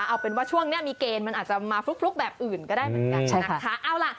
เอาเป็นว่าช่วงนี้มีเกณฑ์มันอาจจะมาฟลุกแบบอื่นก็ได้เหมือนกันนะคะ